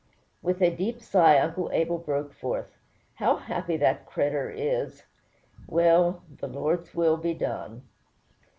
With a deep sigh Uncle Abel broke forth, "How happy that cretur' is! Well, the Lord's will be done."